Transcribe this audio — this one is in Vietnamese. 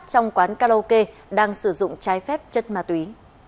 trong quán karaoke đang sử dụng trái phép chất ma túy